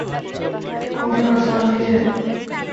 Commissioner sir, নিজে?